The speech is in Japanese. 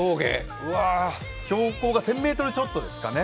標高が１０００ｍちょっとですかね。